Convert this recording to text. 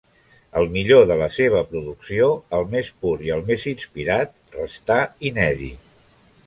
El millor de la seva producció, el més pur i el més inspirat, restà inèdit.